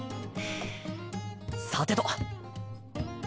さてと。